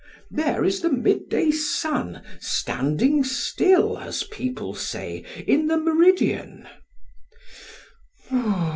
there is the midday sun standing still, as people say, in the meridian.